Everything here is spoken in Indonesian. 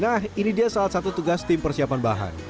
nah ini dia salah satu tugas tim persiapan bahan